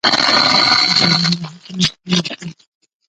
د پرون راهیسي مي اشتها نسته.